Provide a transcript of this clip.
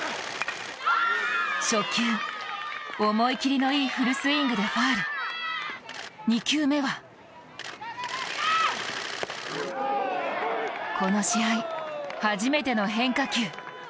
初球、思い切りのいいフルスイングでファウル２球目はこの試合初めての変化球。